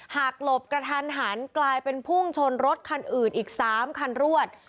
หลบกระทันหันกลายเป็นพุ่งชนรถคันอื่นอีก๓คันรวด